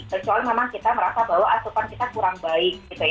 kecuali memang kita merasa bahwa asupan kita kurang baik